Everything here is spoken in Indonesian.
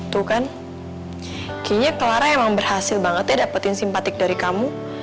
tuh kan kayaknya clara emang berhasil banget ya dapetin simpatik dari kamu